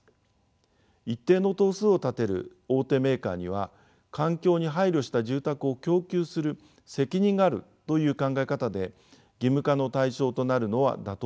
一定の棟数を建てる大手メーカーには環境に配慮した住宅を供給する責任があるという考え方で義務化の対象となるのは妥当だと思います。